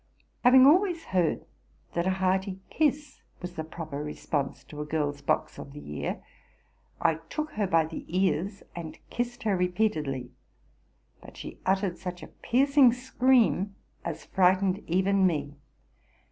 Having always heard that a hearty kiss was the proper response to a gitl's box of the ear, I took her by the ears, and kissed her repeatedly. But she uttered such a piercing scream as frightened even me.